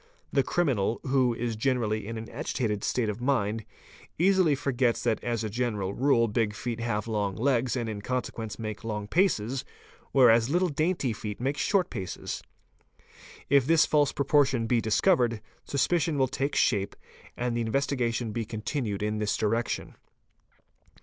The criminal, who is generally in an agitated state of mind, asily forgets that as a general rule big feet have long legs and in con ne I A IS 7 sequence make long paces whereas little dainty feet make short paces. lf this false proportion be discovered, suspicion will take shape and the 528 FOOTPRINTS investigation be continued in this direction.